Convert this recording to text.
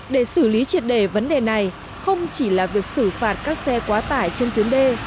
để xử lý triệt đề vấn đề này không chỉ là việc xử phạt các xe quá tải trên tuyến đê